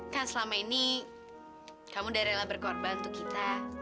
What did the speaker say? kan selama ini kamu udah rela berkorban untuk kita